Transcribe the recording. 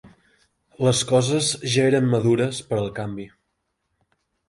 Les coses ja eren madures per al canvi.